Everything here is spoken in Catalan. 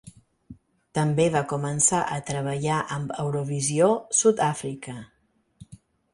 També va començar a treballar amb Eurovision Sud-Àfrica.